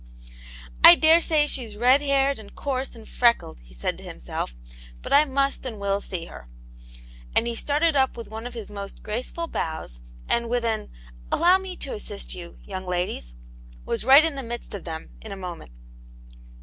" I daresay she's red haired, and coarse and freckled/' Ijie said to himself, " but I niust and will see her;" and he started up with one of his most graceful bows, and with an "Allow me to assist you, young ladies," was right in the midst of them in a moment.